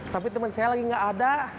tapi temen saya lagi gak ada